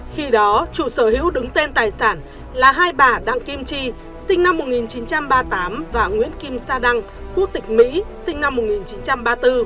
khi đó chủ sở hữu đứng tên tài sản là hai bà đặng kim chi sinh năm một nghìn chín trăm ba mươi tám và nguyễn kim sa đăng quốc tịch mỹ sinh năm một nghìn chín trăm ba mươi bốn